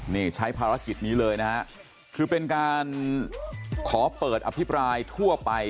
นี่ใช้ภารกิจนี้เลยนะฮะคือเป็นการขอเปิดอภิปรายทั่วไป